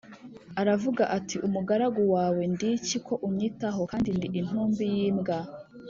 aravuga ati “Umugaragu wawe ndi iki ko unyitaho, kandi ndi intumbi y’imbwa?”